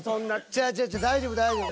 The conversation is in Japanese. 違う違う違う大丈夫大丈夫。